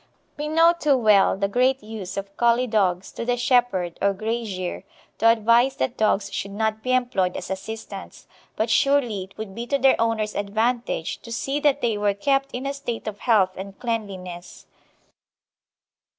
We know too well the great use of Collie dogs to the shepherd or grazier to advise that dogs should not be employed as assistants, but surely it would be to their owners' advantage to see that they were kept in a state of health and cleanliness.